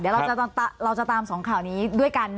เดี๋ยวเราจะตามสองข่าวนี้ด้วยกัน